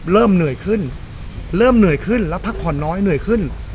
เริ่มเหนื่อยขึ้นเริ่มเหนื่อยขึ้นแล้วพักผ่อนน้อยเหนื่อยขึ้น